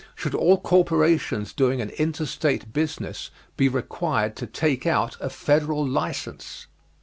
Should all corporations doing an interstate business be required to take out a Federal license?